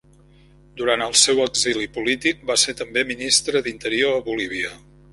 Durant el seu exili polític va ser també ministre d'interior a Bolívia.